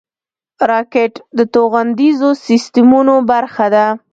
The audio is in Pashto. راکټ د توغندیزو سیسټمونو برخه ده